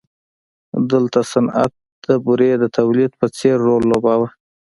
دلته صنعت د بورې د تولید په څېر رول لوباوه.